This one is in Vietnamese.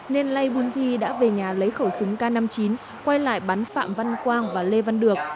nên lay buông ghi đã về nhà lấy khẩu súng k năm mươi chín quay lại bắn phạm văn quang và lê văn được